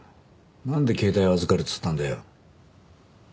なんで携帯を預かるっつったんだよ？